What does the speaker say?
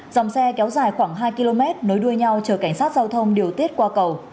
dòng xe kéo dài khoảng hai km nối đuôi nhau chờ cảnh sát giao thông điều tiết qua cầu